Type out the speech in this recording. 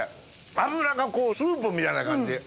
脂がスープみたいな感じ。